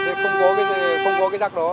sẽ không có cái xe đó